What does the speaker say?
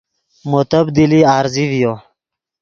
مو تبدیلی عارضی ڤیو